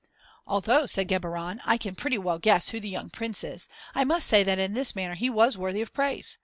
"Although," said Geburon, "I can pretty well guess who the young Prince is, I must say that in this matter he was worthy of praise.